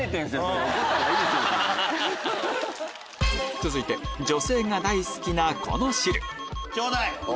続いて女性が大好きなこの汁ちょうだい！